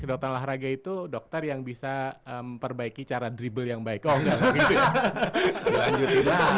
kedokteran olahraga itu dokter yang bisa memperbaiki cara dribble yang baik oh nggak